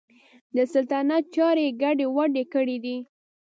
د سلطنت چارې یې ګډې وډې کړي دي.